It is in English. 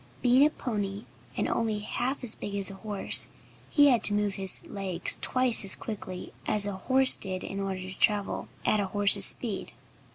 Being a pony, and only half as big as a horse, he had to move his legs twice as quickly as a horse did in order to travel at a horse's speed.